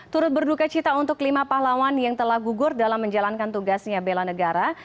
turut berduka cita untuk lima pahlawan yang telah gugur dalam menjalankan tugasnya bela negara